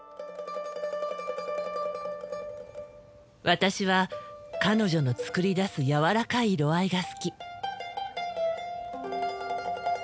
私は彼女の作り出す柔らかい色合いが好き。